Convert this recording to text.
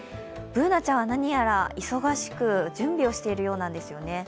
Ｂｏｏｎａちゃんは何やら忙しく準備をしているようなんですよね。